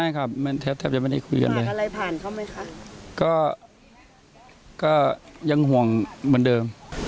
ครับมันแทบแทบจะไม่ได้คุยกันเลยอะไรผ่านเขาไหมคะก็ก็ยังห่วงเหมือนเดิม